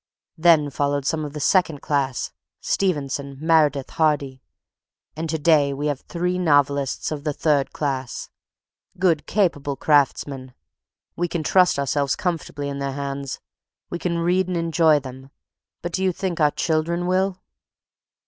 Then followed some of the second class, Stevenson, Meredith, Hardy. And to day we have three novelists of the third class, good, capable craftsmen. We can trust ourselves comfortably in their hands. We read and enjoy them, but do you think our children will?"